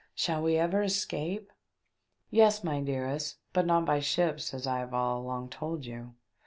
Shall we ever escape ?"" Yes, my dearest, but not by ships, as I have all along told you.